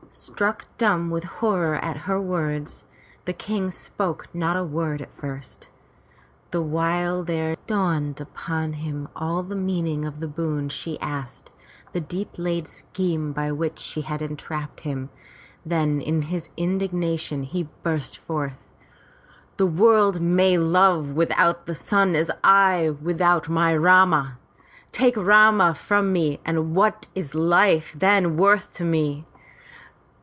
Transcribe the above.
*' Struck dumb with horror at her words, the King spoke not a word at first, the while there dawned upon him all the meaning of the boon she asked — the deep laid scheme by which she had entrapped him. Then in his indignation he burst forth: The world may live without the sun as well as I without my Rama! Take Rama from me and what is life then worth to me?